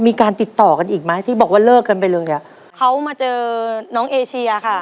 มีการติดต่อกันอีกไหมที่บอกว่าเลิกกันไปเลยอ่ะเขามาเจอน้องเอเชียค่ะ